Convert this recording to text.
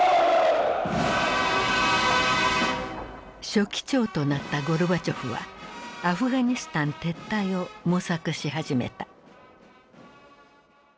書記長となったゴルバチョフはアフガニスタン撤退を模索し始めた。